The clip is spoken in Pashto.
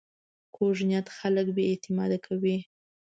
کوږ نیت خلک بې اعتماده کوي